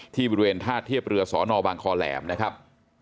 บริเวณท่าเทียบเรือสนบางคอแหลมนะครับ